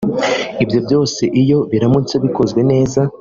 Ibyo byose iyo biramutse bikozwe neza